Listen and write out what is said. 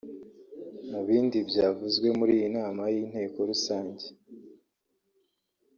Mu bindi byavuzwe muri iyi nama y’inteko rusange